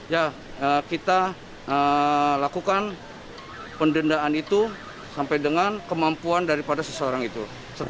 ya kita lakukan pendendaan itu sampai dengan kemampuan daripada seseorang itu